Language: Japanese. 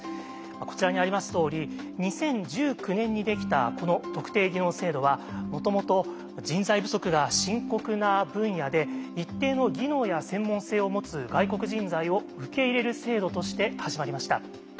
こちらにありますとおり２０１９年にできたこの特定技能制度はもともと人材不足が深刻な分野で一定の技能や専門性を持つ外国人材を受け入れる制度として始まりました。